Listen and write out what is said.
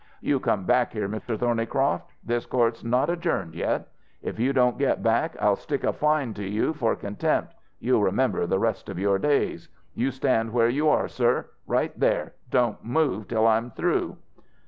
"You come back here, Mr. Thornycroft. This court's not adjourned yet. If you don't get back, I'll stick a fine to you for contempt you'll remember the rest of your days. You stand where you are, sir! Right there! Don't move till I'm through!"